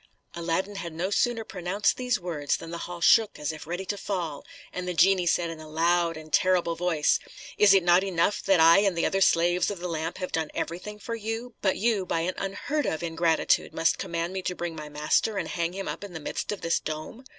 Aladdin had no sooner pronounced these words than the hall shook as if ready to fall; and the genie said in a loud and terrible voice, "Is it not enough that I and the other slaves of the lamp have done everything for you, but you, by an unheard of ingratitude, must command me to bring my master, and hang him up in the midst of this dome?